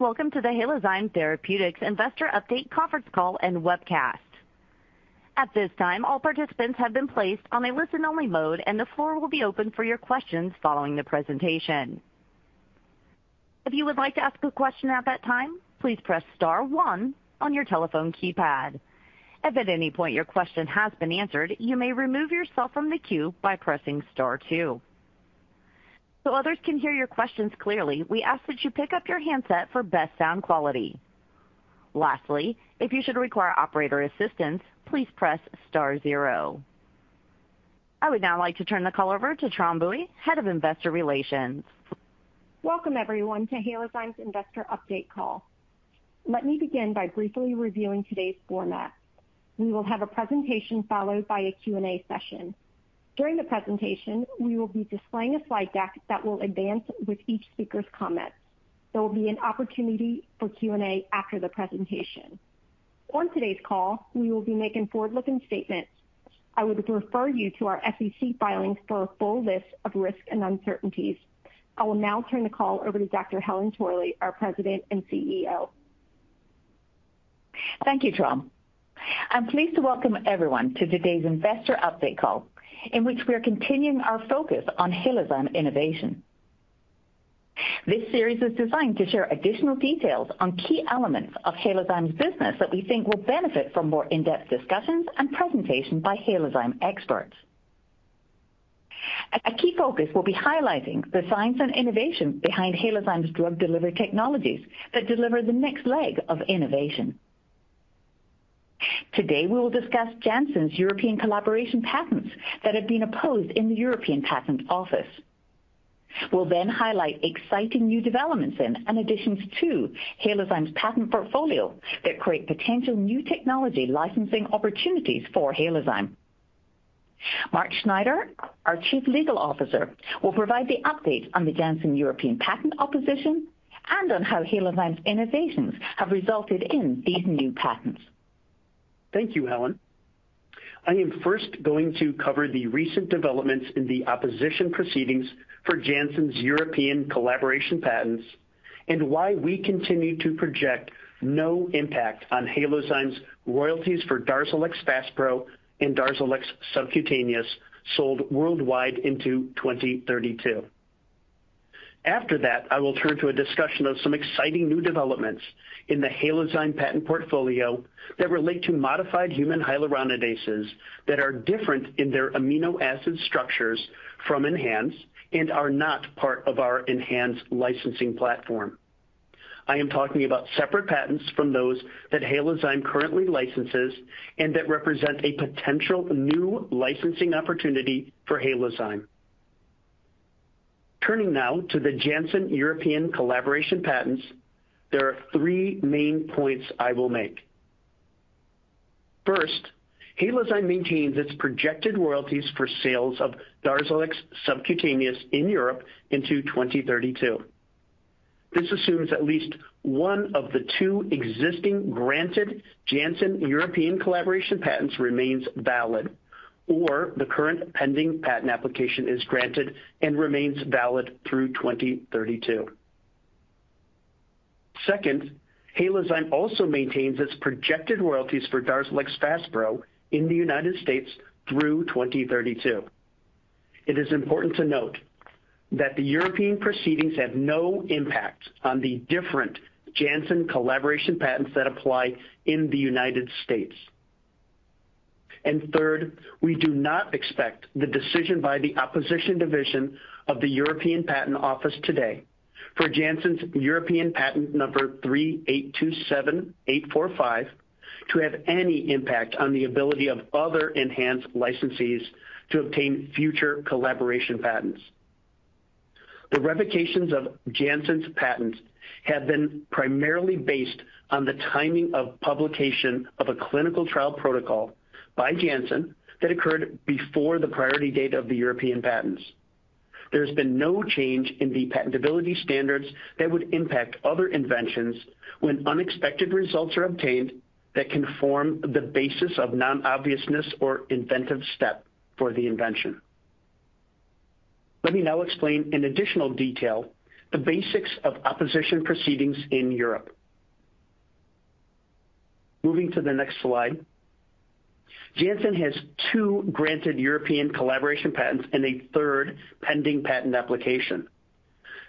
Welcome to the Halozyme Therapeutics Investor Update conference call and webcast. At this time, all participants have been placed on a listen-only mode, and the floor will be open for your questions following the presentation. If you would like to ask a question at that time, please press star one on your telephone keypad. If at any point your question has been answered, you may remove yourself from the queue by pressing star two. So others can hear your questions clearly, we ask that you pick up your handset for best sound quality. Lastly, if you should require operator assistance, please press star zero. I would now like to turn the call over to Tram Bui, Head of Investor Relations. Welcome, everyone, to Halozyme's Investor Update call. Let me begin by briefly reviewing today's format. We will have a presentation followed by a Q&A session. During the presentation, we will be displaying a slide deck that will advance with each speaker's comments. There will be an opportunity for Q&A after the presentation. On today's call, we will be making forward-looking statements. I would refer you to our SEC filings for a full list of risks and uncertainties. I will now turn the call over to Dr. Helen Torley, our President and CEO. Thank you, Tram. I'm pleased to welcome everyone to today's Investor Update call, in which we are continuing our focus on Halozyme innovation. This series is designed to share additional details on key elements of Halozyme's business that we think will benefit from more in-depth discussions and presentation by Halozyme experts. A key focus will be highlighting the science and innovation behind Halozyme's drug delivery technologies that deliver the next leg of innovation. Today, we will discuss Janssen's European collaboration patents that have been opposed in the European Patent Office. We'll then highlight exciting new developments in, and additions to, Halozyme's patent portfolio that create potential new technology licensing opportunities for Halozyme. Mark Snyder, our Chief Legal Officer, will provide the update on the Janssen European patent opposition and on how Halozyme's innovations have resulted in these new patents. Thank you, Helen. I am first going to cover the recent developments in the opposition proceedings for Janssen's European collaboration patents and why we continue to project no impact on Halozyme's royalties for Darzalex Faspro and Darzalex subcutaneous, sold worldwide into twenty thirty-two. After that, I will turn to a discussion of some exciting new developments in the Halozyme patent portfolio that relate to modified human hyaluronidases that are different in their amino acid structures from ENHANZE and are not part of our enhanced licensing platform. I am talking about separate patents from those that Halozyme currently licenses and that represent a potential new licensing opportunity for Halozyme. Turning now to the Janssen European collaboration patents, there are three main points I will make. First, Halozyme maintains its projected royalties for sales of Darzalex subcutaneous in Europe into twenty thirty-two. This assumes at least one of the two existing granted Janssen European collaboration patents remains valid, or the current pending patent application is granted and remains valid through twenty thirty-two. Second, Halozyme also maintains its projected royalties for Darzalex Faspro in the United States through twenty thirty-two. It is important to note that the European proceedings have no impact on the different Janssen collaboration patents that apply in the United States. And third, we do not expect the decision by the opposition division of the European Patent Office today for Janssen's European patent number three eight two seven eight four five to have any impact on the ability of other enhanced licensees to obtain future collaboration patents. The revocations of Janssen's patents have been primarily based on the timing of publication of a clinical trial protocol by Janssen that occurred before the priority date of the European patents. There has been no change in the patentability standards that would impact other inventions when unexpected results are obtained that can form the basis of non-obviousness or inventive step for the invention. Let me now explain in additional detail the basics of opposition proceedings in Europe. Moving to the next slide, Janssen has two granted European collaboration patents and a third pending patent application.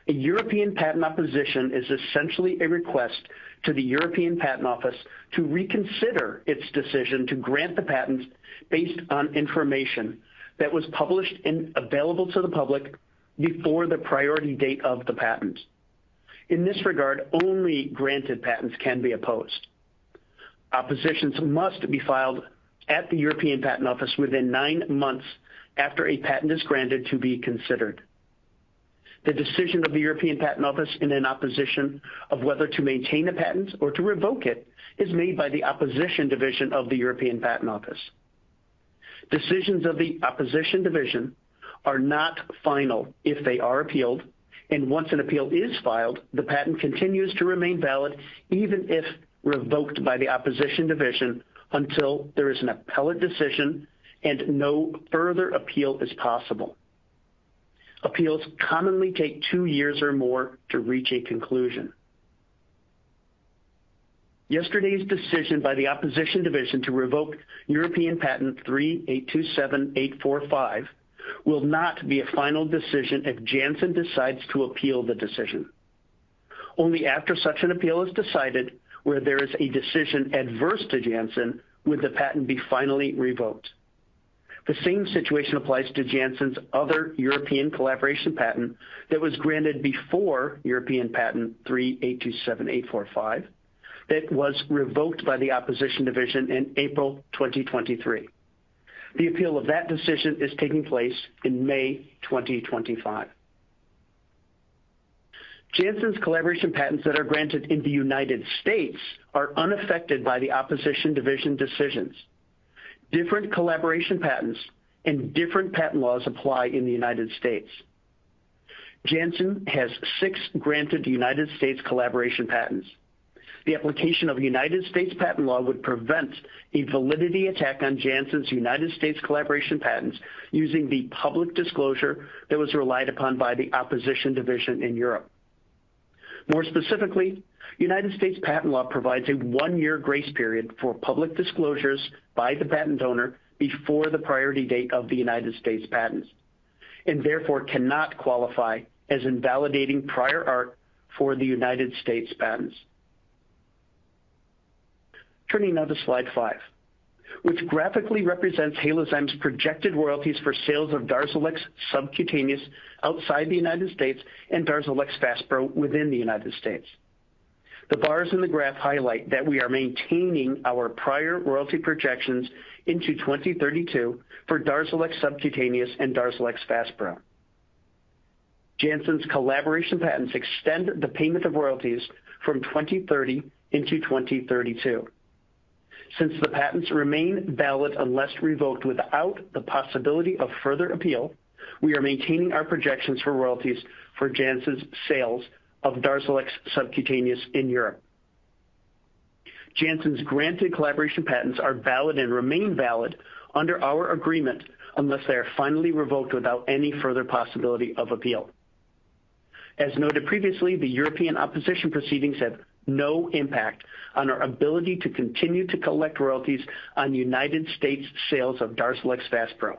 A European patent opposition is essentially a request to the European Patent Office to reconsider its decision to grant the patents based on information that was published and available to the public before the priority date of the patent. In this regard, only granted patents can be opposed. Oppositions must be filed at the European Patent Office within nine months after a patent is granted to be considered. The decision of the European Patent Office in an opposition of whether to maintain the patent or to revoke it is made by the opposition division of the European Patent Office. Decisions of the opposition division are not final if they are appealed, and once an appeal is filed, the patent continues to remain valid, even if revoked by the opposition division, until there is an appellate decision and no further appeal is possible. Appeals commonly take two years or more to reach a conclusion. Yesterday's decision by the opposition division to revoke European Patent 3827845 will not be a final decision if Janssen decides to appeal the decision. Only after such an appeal is decided, where there is a decision adverse to Janssen, would the patent be finally revoked. The same situation applies to Janssen's other European collaboration patent that was granted before European Patent 3827845, that was revoked by the opposition division in April 2023. The appeal of that decision is taking place in May 2025. Janssen's collaboration patents that are granted in the United States are unaffected by the opposition division decisions. Different collaboration patents and different patent laws apply in the United States. Janssen has six granted United States collaboration patents. The application of United States patent law would prevent a validity attack on Janssen's United States collaboration patents using the public disclosure that was relied upon by the opposition division in Europe. More specifically, United States patent law provides a one-year grace period for public disclosures by the patent owner before the priority date of the United States patents, and therefore cannot qualify as invalidating prior art for the United States patents. Turning now to slide five, which graphically represents Halozyme's projected royalties for sales of Darzalex subcutaneous outside the United States and Darzalex Faspro within the United States. The bars in the graph highlight that we are maintaining our prior royalty projections into 2032 for Darzalex subcutaneous and Darzalex Faspro. Janssen's collaboration patents extend the payment of royalties from 2030 into 2032. Since the patents remain valid unless revoked without the possibility of further appeal, we are maintaining our projections for royalties for Janssen's sales of Darzalex subcutaneous in Europe. Janssen's granted collaboration patents are valid and remain valid under our agreement unless they are finally revoked without any further possibility of appeal. As noted previously, the European opposition proceedings have no impact on our ability to continue to collect royalties on United States sales of Darzalex Faspro.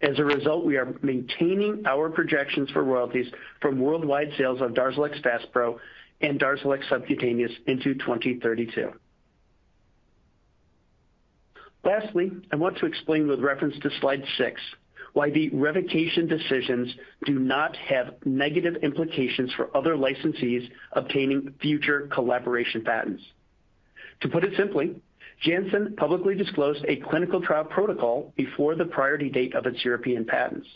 As a result, we are maintaining our projections for royalties from worldwide sales of Darzalex Faspro and Darzalex subcutaneous into twenty thirty-two. Lastly, I want to explain with reference to slide six, why the revocation decisions do not have negative implications for other licensees obtaining future collaboration patents. To put it simply, Janssen publicly disclosed a clinical trial protocol before the priority date of its European patents.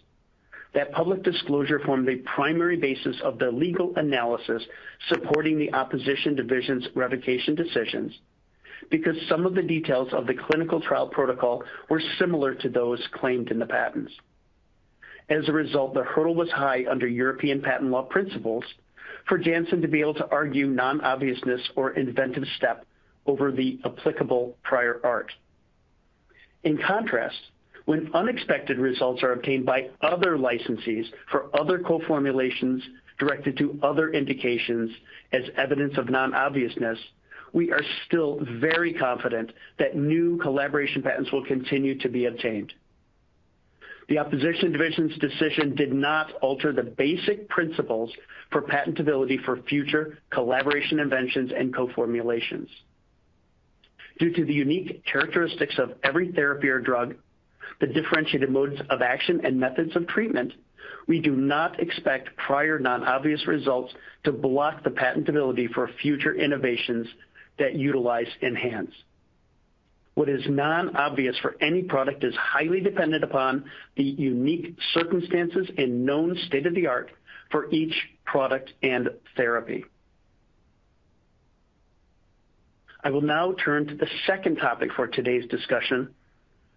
That public disclosure formed the primary basis of the legal analysis supporting the opposition division's revocation decisions, because some of the details of the clinical trial protocol were similar to those claimed in the patents. As a result, the hurdle was high under European patent law principles for Janssen to be able to argue non-obviousness or inventive step over the applicable prior art. In contrast, when unexpected results are obtained by other licensees for other co-formulations directed to other indications as evidence of non-obviousness, we are still very confident that new collaboration patents will continue to be obtained. The opposition division's decision did not alter the basic principles for patentability for future collaboration, inventions, and co-formulations. Due to the unique characteristics of every therapy or drug, the differentiated modes of action and methods of treatment, we do not expect prior non-obvious results to block the patentability for future innovations that utilize ENHANZE. What is non-obvious for any product is highly dependent upon the unique circumstances and known state-of-the-art for each product and therapy. I will now turn to the second topic for today's discussion,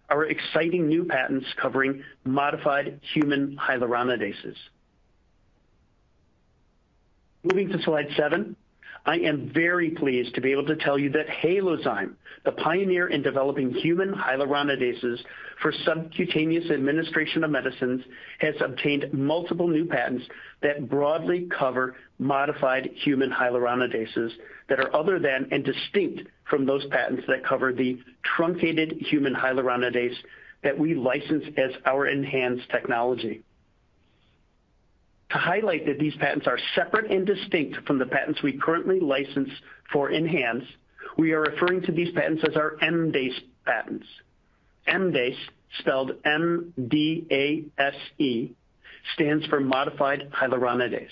our exciting new patents covering modified human hyaluronidases. Moving to slide seven, I am very pleased to be able to tell you that Halozyme, the pioneer in developing human hyaluronidases for subcutaneous administration of medicines, has obtained multiple new patents that broadly cover modified human hyaluronidases that are other than and distinct from those patents that cover the truncated human hyaluronidase that we license as our ENHANZE technology. To highlight that these patents are separate and distinct from the patents we currently license for ENHANZE, we are referring to these patents as our MDASE patents. MDASE, spelled M-D-A-S-E, stands for Modified Hyaluronidase.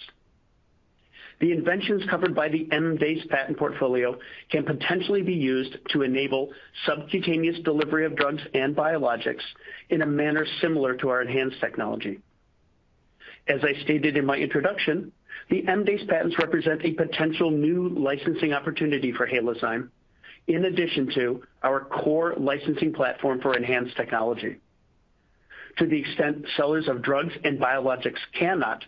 The inventions covered by the MDASE patent portfolio can potentially be used to enable subcutaneous delivery of drugs and biologics in a manner similar to our ENHANZE technology. As I stated in my introduction, the MDASE patents represent a potential new licensing opportunity for Halozyme, in addition to our core licensing platform for ENHANZE technology. To the extent sellers of drugs and biologics cannot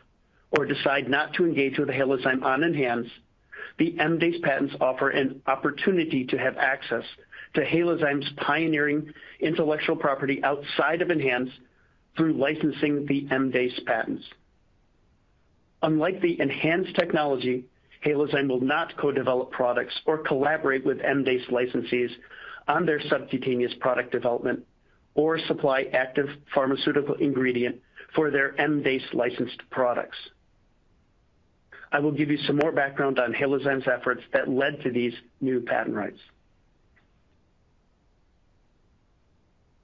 or decide not to engage with Halozyme on ENHANZE... The MDASE patents offer an opportunity to have access to Halozyme's pioneering intellectual property outside of ENHANZE through licensing the MDASE patents. Unlike the ENHANZE technology, Halozyme will not co-develop products or collaborate with MDASE licensees on their subcutaneous product development or supply active pharmaceutical ingredient for their MDASE licensed products. I will give you some more background on Halozyme's efforts that led to these new patent rights.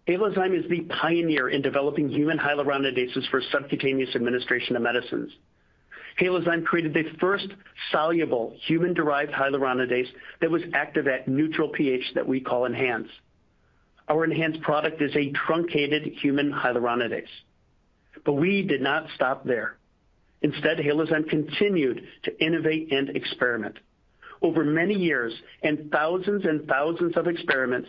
Halozyme is the pioneer in developing human hyaluronidases for subcutaneous administration of medicines. Halozyme created the first soluble human-derived hyaluronidase that was active at neutral pH that we call ENHANZE. Our ENHANZE product is a truncated human hyaluronidase, but we did not stop there. Instead, Halozyme continued to innovate and experiment. Over many years and thousands and thousands of experiments,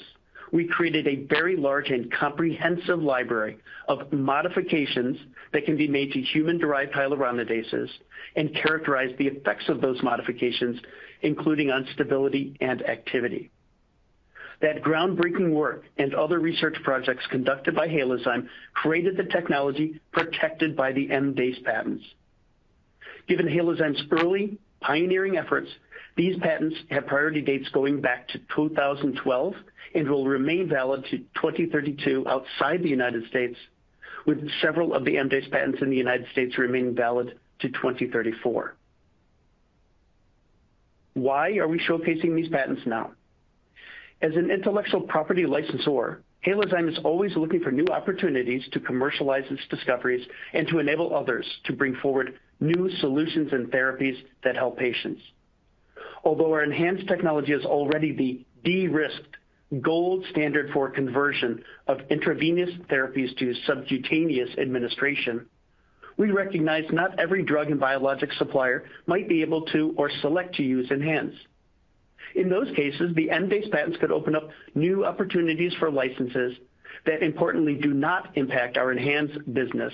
we created a very large and comprehensive library of modifications that can be made to human-derived hyaluronidases and characterize the effects of those modifications, including on stability and activity. That groundbreaking work and other research projects conducted by Halozyme created the technology protected by the MDASE patents. Given Halozyme's early pioneering efforts, these patents have priority dates going back to two thousand and twelve and will remain valid to twenty thirty-two outside the United States, with several of the MDASE patents in the United States remaining valid to twenty thirty-four. Why are we showcasing these patents now? As an intellectual property licensor, Halozyme is always looking for new opportunities to commercialize its discoveries and to enable others to bring forward new solutions and therapies that help patients. Although our ENHANZE technology is already the de-risked gold standard for conversion of intravenous therapies to subcutaneous administration, we recognize not every drug and biologic supplier might be able to or select to use ENHANZE. In those cases, the MDASE patents could open up new opportunities for licenses that importantly, do not impact our ENHANZE business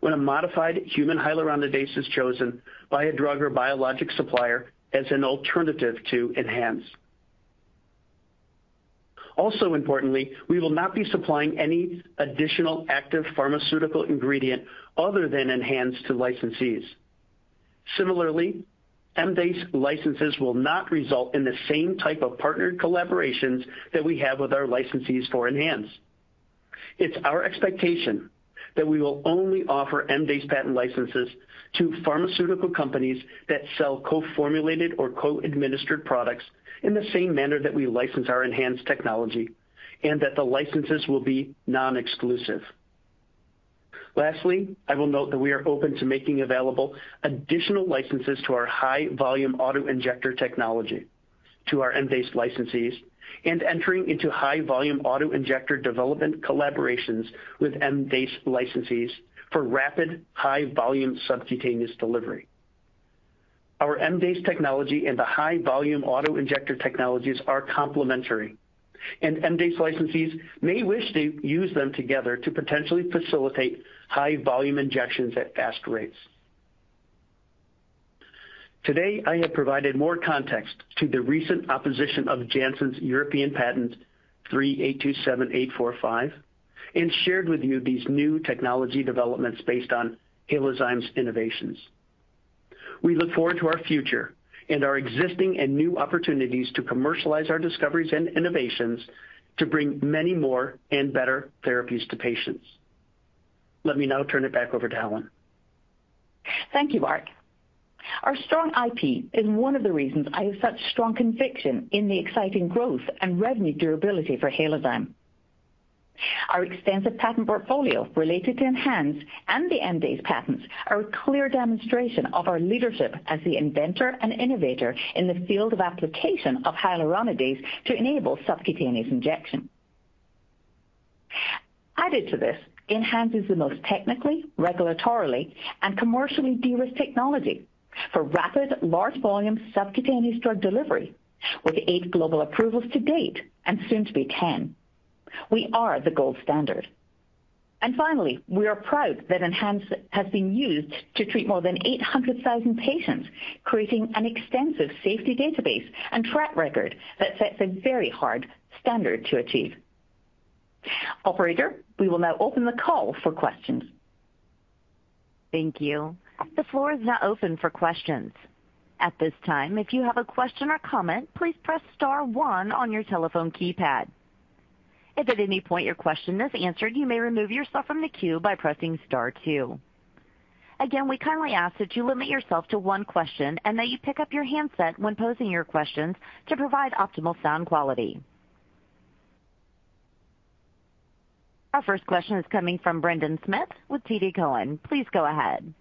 when a modified human hyaluronidase is chosen by a drug or biologic supplier as an alternative to ENHANZE. Also, importantly, we will not be supplying any additional active pharmaceutical ingredient other than ENHANZE to licensees. Similarly, MDASE licenses will not result in the same type of partnered collaborations that we have with our licensees for ENHANZE. It's our expectation that we will only offer MDASE patent licenses to pharmaceutical companies that sell co-formulated or co-administered products in the same manner that we license our ENHANZE technology and that the licenses will be non-exclusive. Lastly, I will note that we are open to making available additional licenses to our high-volume auto-injector technology to our MDASE licensees and entering into high-volume auto-injector development collaborations with MDASE licensees for rapid, high-volume subcutaneous delivery. Our MDASE technology and the high-volume auto-injector technologies are complementary, and MDASE licensees may wish to use them together to potentially facilitate high-volume injections at fast rates. Today, I have provided more context to the recent opposition of Janssen's European Patent 3827845 and shared with you these new technology developments based on Halozyme's innovations. We look forward to our future and our existing and new opportunities to commercialize our discoveries and innovations to bring many more and better therapies to patients. Let me now turn it back over to Helen. Thank you, Mark. Our strong IP is one of the reasons I have such strong conviction in the exciting growth and revenue durability for Halozyme. Our extensive patent portfolio related to ENHANZE and the MDASE patents are a clear demonstration of our leadership as the inventor and innovator in the field of application of hyaluronidase to enable subcutaneous injection. Added to this, ENHANZE is the most technically, regulatorily, and commercially de-risked technology for rapid, large-volume subcutaneous drug delivery, with eight global approvals to date and soon to be 10. We are the gold standard. And finally, we are proud that ENHANZE has been used to treat more than eight hundred thousand patients, creating an extensive safety database and track record that sets a very hard standard to achieve. Operator, we will now open the call for questions. Thank you. The floor is now open for questions. At this time, if you have a question or comment, please press star one on your telephone keypad. If at any point your question is answered, you may remove yourself from the queue by pressing star two. Again, we kindly ask that you limit yourself to one question and that you pick up your handset when posing your questions to provide optimal sound quality. Our first question is coming from Brendan Smith with TD Cowen. Please go ahead.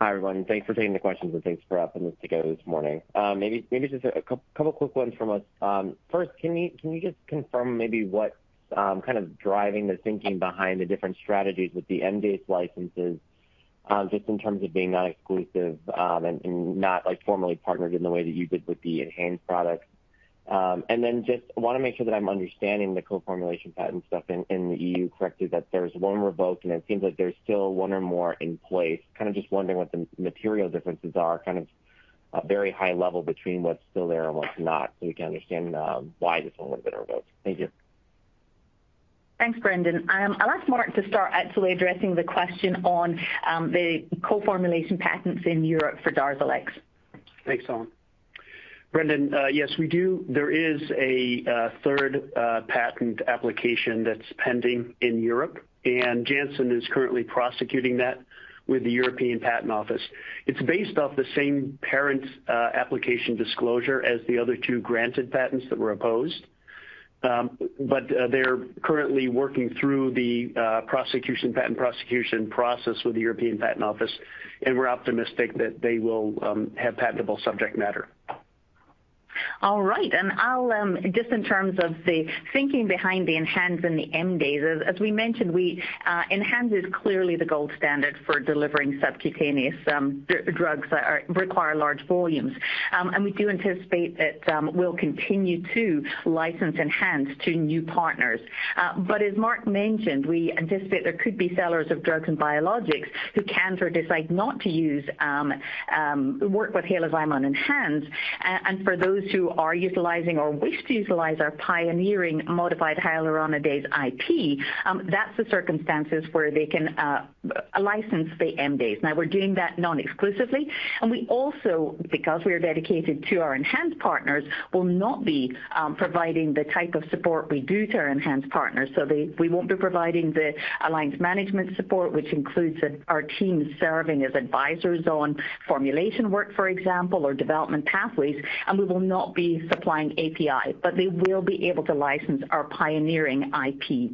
Hi, everyone. Thanks for taking the questions and thanks for putting this together this morning. Maybe just a couple quick ones from us. First, can you just confirm maybe what kind of driving the thinking behind the different strategies with the MDASE licenses, just in terms of being non-exclusive, and not, like, formally partnered in the way that you did with the ENHANZE products? And then just want to make sure that I'm understanding the co-formulation patent stuff in the EU correctly, that there's one revoked, and it seems like there's still one or more in place. Kind of just wondering what the material differences are, kind of, very high level between what's still there and what's not, so we can understand why this one was revoked. Thank you. Thanks, Brendan. I'll ask Mark to start actually addressing the question on the co-formulation patents in Europe for Darzalex. Thanks, Helen. Brendan, yes, we do. There is a third patent application that's pending in Europe, and Janssen is currently prosecuting that with the European Patent Office. It's based off the same parent application disclosure as the other two granted patents that were opposed, but they're currently working through the prosecution, patent prosecution process with the European Patent Office, and we're optimistic that they will have patentable subject matter. All right. And I'll just in terms of the thinking behind the ENHANZE and the MDASE, as we mentioned, we ENHANZE is clearly the gold standard for delivering subcutaneous drugs that require large volumes. And we do anticipate that we'll continue to license ENHANZE to new partners. But as Mark mentioned, we anticipate there could be sellers of drugs and biologics who can't or decide not to work with Halozyme on ENHANZE. And for those who are utilizing or wish to utilize our pioneering modified hyaluronidase IP, that's the circumstances where they can license the MDASE. Now we're doing that non-exclusively, and we also, because we are dedicated to our ENHANZE partners, will not be providing the type of support we do to our ENHANZE partners. So they, we won't be providing the alliance management support, which includes our team serving as advisors on formulation work, for example, or development pathways, and we will not be supplying API, but they will be able to license our pioneering IP.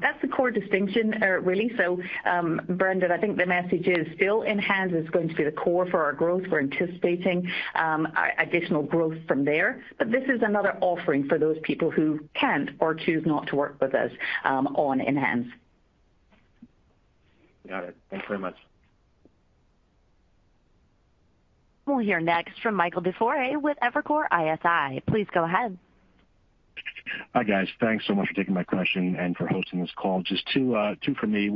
That's the core distinction, really. So, Brendan, I think the message is still ENHANZE is going to be the core for our growth. We're anticipating additional growth from there, but this is another offering for those people who can't or choose not to work with us on ENHANZE. Got it. Thanks very much. We'll hear next from Michael DiFiore with Evercore ISI. Please go ahead. Hi, guys. Thanks so much for taking my question and for hosting this call. Just two for me.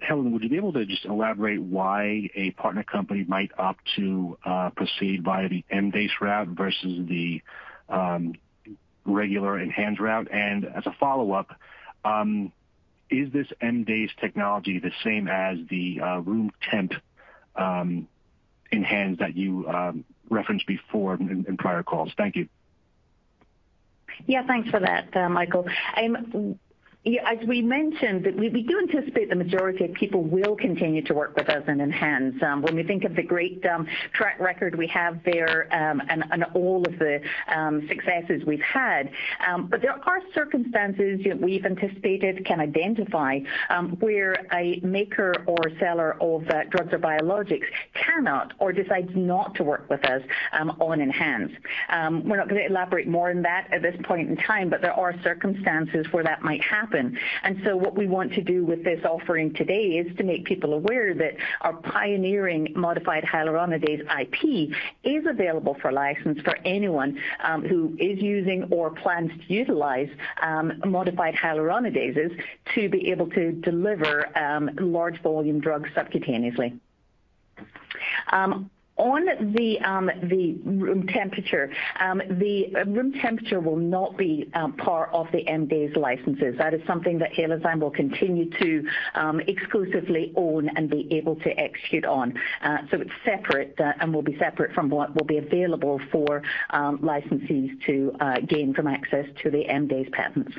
Helen, would you be able to just elaborate why a partner company might opt to proceed via the MDASE route versus the regular ENHANE route? And as a follow-up, is this MDASE technology the same as the room temp Enha that you referenced before in prior calls? Thank you. Yeah, thanks for that, Michael. Yeah, as we mentioned, we do anticipate the majority of people will continue to work with us in ENHANZE. When we think of the great track record we have there, and all of the successes we've had. But there are circumstances, you know, we've anticipated, can identify, where a maker or seller of drugs or biologics cannot or decides not to work with us, on ENHANZE. We're not going to elaborate more on that at this point in time, but there are circumstances where that might happen. What we want to do with this offering today is to make people aware that our pioneering modified hyaluronidase IP is available for license for anyone who is using or plans to utilize modified hyaluronidases to be able to deliver large volume drugs subcutaneously. On the room temperature will not be part of the MDASE licenses. That is something that Halozyme will continue to exclusively own and be able to execute on. It is separate and will be separate from what will be available for licensees to gain from access to the MDASE patents.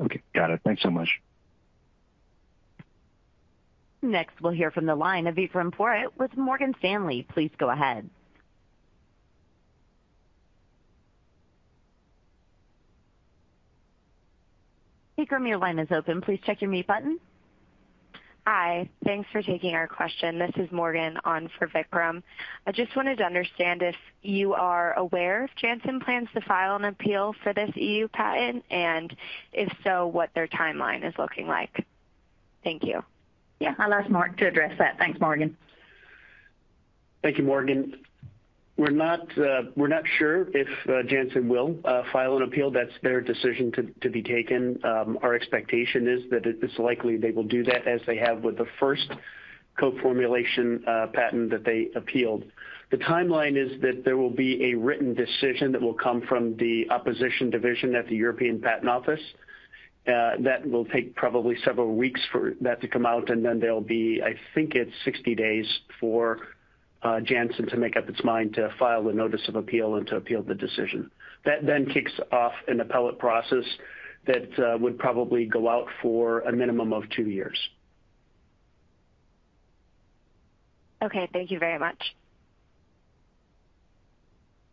Okay, got it. Thanks so much. Next, we'll hear from the line of Vikram Purohit with Morgan Stanley. Please go ahead. Vikram, your line is open. Please check your mute button. Hi, thanks for taking our question. This is Morgan on for Vikram. I just wanted to understand if you are aware if Janssen plans to file an appeal for this E.U. patent, and if so, what their timeline is looking like? Thank you. Yeah, I'll ask Mark to address that. Thanks, Morgan. Thank you, Morgan. We're not sure if Janssen will file an appeal. That's their decision to be taken. Our expectation is that it is likely they will do that, as they have with the first co-formulation patent that they appealed. The timeline is that there will be a written decision that will come from the opposition division at the European Patent Office. That will take probably several weeks for that to come out, and then there'll be, I think it's sixty days for Janssen to make up its mind to file a notice of appeal and to appeal the decision. That then kicks off an appellate process that would probably go out for a minimum of two years. Okay, thank you very much.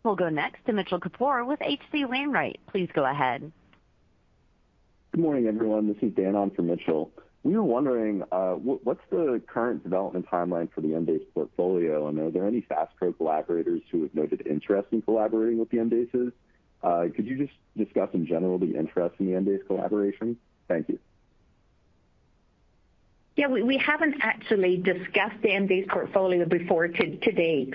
We'll go next to Mitchell Kapur with HC Wainwright. Please go ahead. Good morning, everyone. This is Dan on for Mitchell. We were wondering, what's the current development timeline for the MDASE portfolio, and are there any ENHANZE collaborators who have noted interest in collaborating with the MDASEs? Could you just discuss in general the interest in the MDASE collaboration? Thank you. ... Yeah, we haven't actually discussed the MDASE portfolio before today,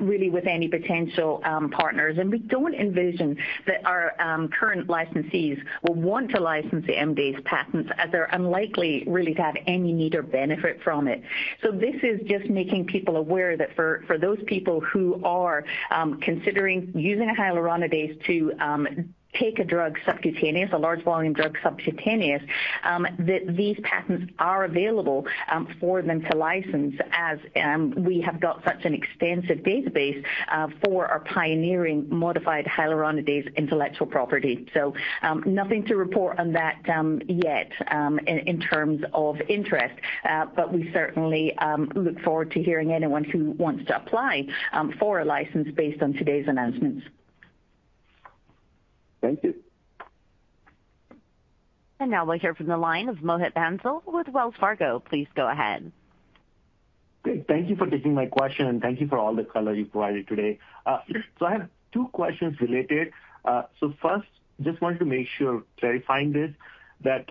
really with any potential partners. And we don't envision that our current licensees will want to license the MDASE patents, as they're unlikely really to have any need or benefit from it. So this is just making people aware that for those people who are considering using a hyaluronidase to take a drug subcutaneous, a large volume drug subcutaneous, that these patents are available for them to license, as we have got such an extensive database for our pioneering modified hyaluronidase intellectual property. So nothing to report on that yet in terms of interest, but we certainly look forward to hearing anyone who wants to apply for a license based on today's announcements. Thank you. And now we'll hear from the line of Mohit Bansal with Wells Fargo. Please go ahead. Great. Thank you for taking my question, and thank you for all the color you provided today. So I have two questions related. So first, just wanted to make sure, verifying this, that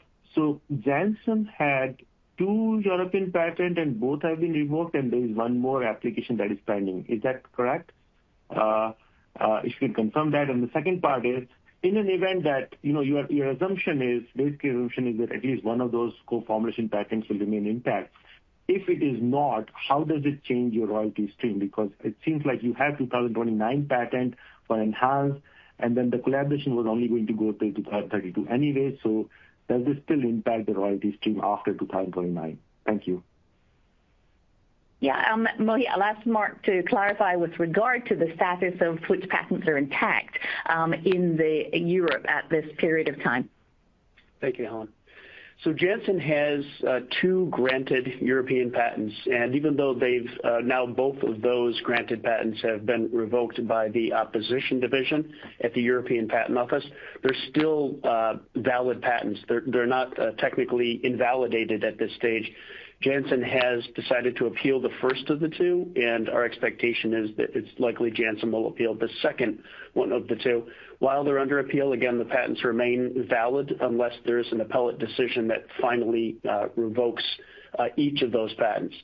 Janssen had two European patents, and both have been revoked, and there is one more application that is pending. Is that correct? If you can confirm that. And the second part is, in an event that, you know, your assumption is that at least one of those co-formulation patents will remain intact. If it is not, how does it change your royalty stream? Because it seems like you have 2029 patent for ENHANZE, and then the collaboration was only going to go till 2032 anyway, so does this still impact the royalty stream after 2029? Thank you. Yeah, Mohit, I'll ask Mark to clarify with regard to the status of which patents are intact, in Europe at this period of time. Thank you, Helen. So Janssen has two granted European patents, and even though they've now both of those granted patents have been revoked by the opposition division at the European Patent Office, they're still valid patents. They're not technically invalidated at this stage. Janssen has decided to appeal the first of the two, and our expectation is that it's likely Janssen will appeal the second one of the two. While they're under appeal, again, the patents remain valid unless there's an appellate decision that finally revokes each of those patents.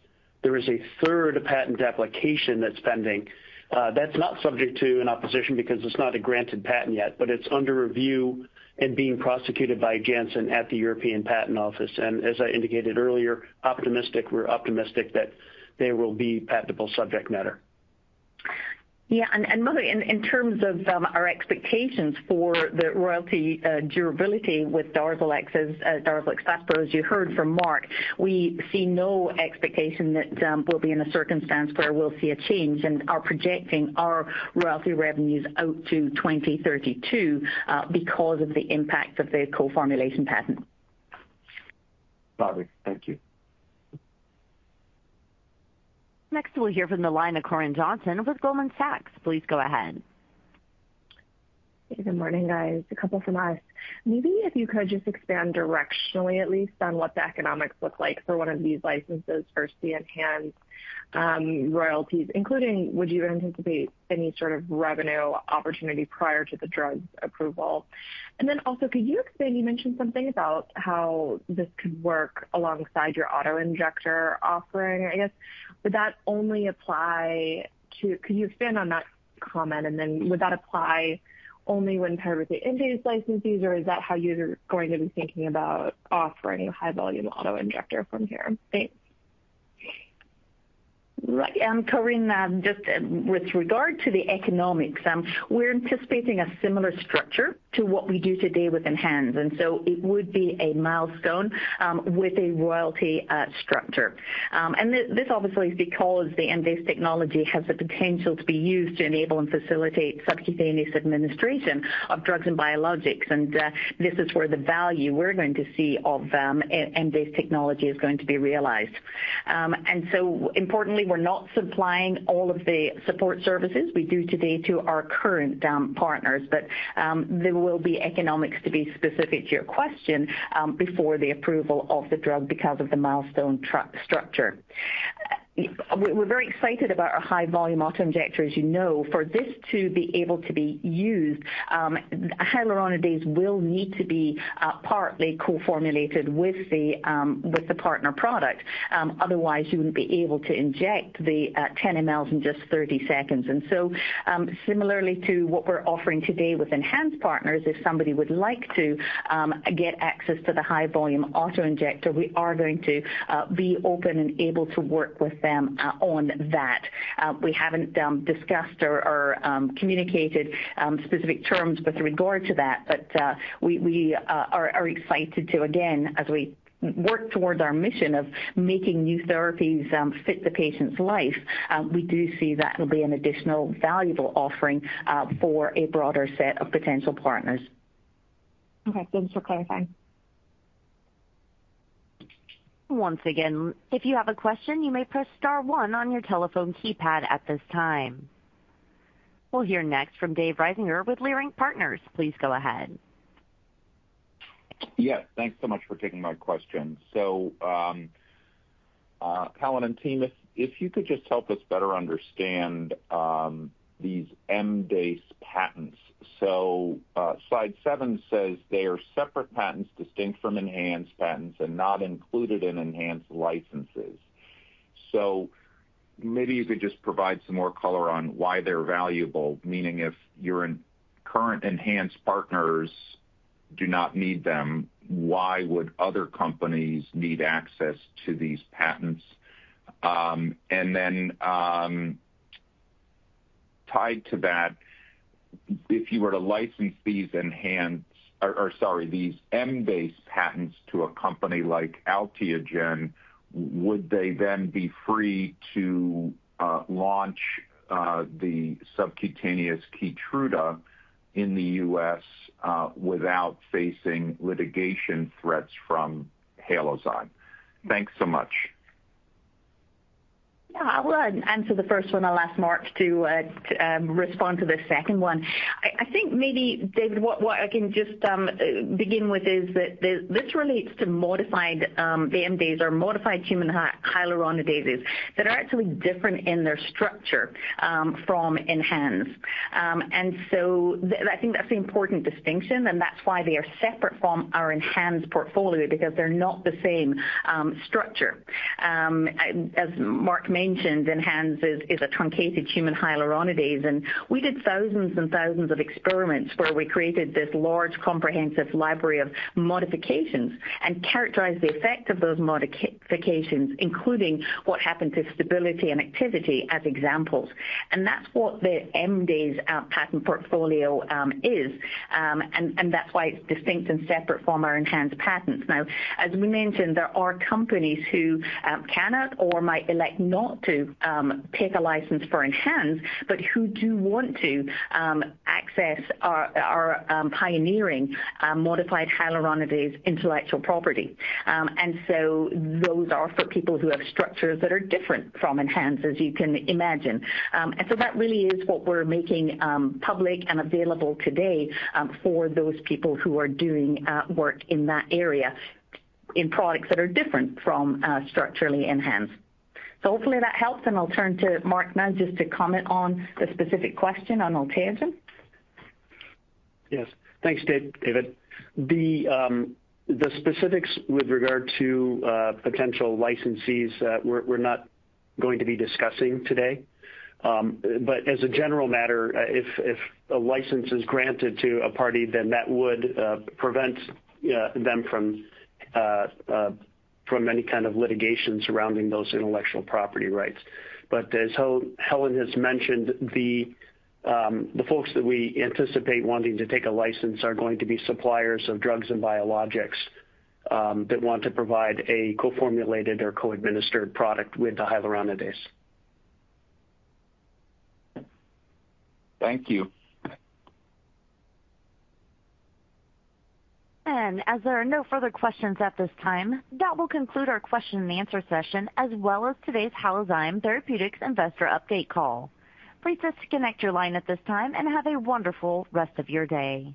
There is a third patent application that's pending. That's not subject to an opposition because it's not a granted patent yet, but it's under review and being prosecuted by Janssen at the European Patent Office. And as I indicated earlier, we're optimistic that they will be patentable subject matter. Yeah, and Mohit, in terms of our expectations for the royalty durability with Darzalex, as you heard from Mark, we see no expectation that we'll be in a circumstance where we'll see a change, and are projecting our royalty revenues out to 2032, because of the impact of the co-formulation patent. Got it. Thank you. Next, we'll hear from the line of Corinne Jenkins with Goldman Sachs. Please go ahead. Good morning, guys. A couple from us. Maybe if you could just expand directionally, at least, on what the economics look like for one of these licenses for the ENHANZE royalties, including would you anticipate any sort of revenue opportunity prior to the drug's approval? And then also, could you expand? You mentioned something about how this could work alongside your auto injector offering. Could you expand on that comment, and then would that apply only when paired with the MDASE licensees, or is that how you're going to be thinking about offering a high-volume auto injector from here? Thanks. Right, Corinne, just with regard to the economics, we're anticipating a similar structure to what we do today with ENHANZE. It would be a milestone with a royalty structure. This obviously is because the MDASE technology has the potential to be used to enable and facilitate subcutaneous administration of drugs and biologics, and this is where the value we're going to see of them, MDASE technology is going to be realized. Importantly, we're not supplying all of the support services we do today to our current partners, but there will be economics, to be specific to your question, before the approval of the drug because of the milestone structure. We're very excited about our high-volume auto-injector, as you know. For this to be able to be used, hyaluronidase will need to be partly co-formulated with the partner product, otherwise, you wouldn't be able to inject the 10 mL in just 30 seconds. And so, similarly to what we're offering today with ENHANZE partners, if somebody would like to get access to the high-volume auto-injector, we are going to be open and able to work with them on that. We haven't discussed or communicated specific terms with regard to that, but we are excited to, again, as we work towards our mission of making new therapies fit the patient's life, we do see that will be an additional valuable offering for a broader set of potential partners. Okay, thanks for clarifying. Once again, if you have a question, you may press star one on your telephone keypad at this time. We'll hear next from David Risinger with Leerink Partners. Please go ahead. Yeah, thanks so much for taking my question. So, Helen and team, if you could just help us better understand these MDASE patents. So, slide seven says they are separate patents, distinct from enhanced patents and not included in enhanced licenses. So maybe you could just provide some more color on why they're valuable, meaning if your current enhanced partners do not need them, why would other companies need access to these patents? And then, tied to that, if you were to license these enhanced, or sorry, these MDASE patents to a company like Alteogen, would they then be free to launch the subcutaneous Keytruda in the U.S. without facing litigation threats from Halozyme? Thanks so much. Yeah, I will answer the first one. I'll ask Mark to respond to the second one. I think maybe, David, what I can just begin with is that this relates to modified MDASE or modified human hyaluronidases that are actually different in their structure from ENHANZE. And so I think that's the important distinction, and that's why they are separate from our ENHANZE portfolio, because they're not the same structure. As Mark mentioned, ENHANZE is a truncated human hyaluronidase, and we did thousands and thousands of experiments where we created this large, comprehensive library of modifications and characterized the effect of those modifications, including what happened to stability and activity, as examples. That's what the MDASE patent portfolio is. And that's why it's distinct and separate from our ENHANZE patents. Now, as we mentioned, there are companies who cannot or might elect not to take a license for ENHANZE, but who do want to access our pioneering modified hyaluronidase intellectual property. And so those are for people who have structures that are different from ENHANZE, as you can imagine. And so that really is what we're making public and available today for those people who are doing work in that area, in products that are different from structurally ENHANZE. So hopefully that helps, and I'll turn to Mark now just to comment on the specific question on Alteogen. Yes. Thanks, Dave, David. The specifics with regard to potential licensees, we're not going to be discussing today. But as a general matter, if a license is granted to a party, then that would prevent, yeah, them from any kind of litigation surrounding those intellectual property rights. But as Helen has mentioned, the folks that we anticipate wanting to take a license are going to be suppliers of drugs and biologics that want to provide a co-formulated or co-administered product with the hyaluronidase. Thank you. As there are no further questions at this time, that will conclude our question and answer session, as well as today's Halozyme Therapeutics Investor Update call. Please disconnect your line at this time, and have a wonderful rest of your day.